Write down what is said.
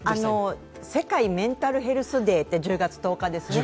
世界メンタルヘルスデーが１０日です。